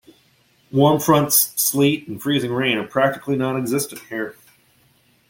Warm fronts, sleet, and freezing rain are practically non-existent here.